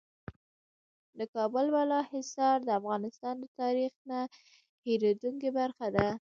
د کابل بالا حصار د افغانستان د تاریخ نه هېرېدونکې برخه ده.